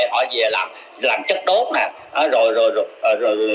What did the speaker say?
họ về làm chất đốt nè